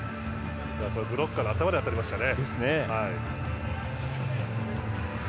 ブロッカーの頭に当たりましたね。